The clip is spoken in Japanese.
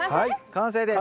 完成です。